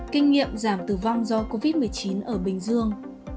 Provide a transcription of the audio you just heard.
kinh nghiệm giảm tử vong do covid một mươi chín ở bình dương